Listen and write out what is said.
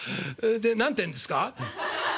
で何てえんですか？」。